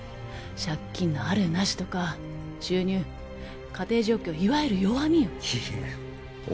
借金のあるなしとか収入家庭状況いわゆる弱みよいやあ